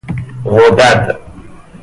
غدد